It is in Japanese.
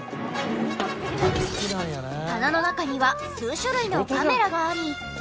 棚の中には数種類のカメラがあり。